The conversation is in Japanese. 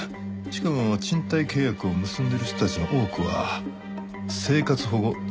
しかも賃貸契約を結んでいる人たちの多くは生活保護受給者でした。